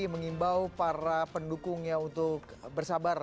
mengimbau para pendukung yang untuk bersabar